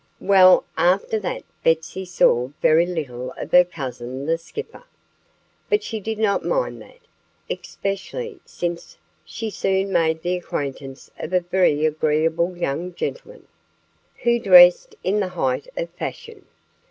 Well, after that Betsy saw very little of her cousin the Skipper. But she did not mind that, especially since she soon made the acquaintance of a very agreeable young gentleman, who dressed in the height of fashion.